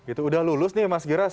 itu udah lulus nih mas giras